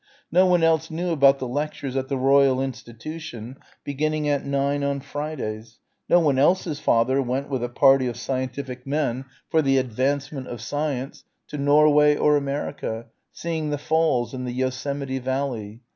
No one else knew about the lectures at the Royal Institution, beginning at nine on Fridays.... No one else's father went with a party of scientific men "for the advancement of science" to Norway or America, seeing the Falls and the Yosemite Valley.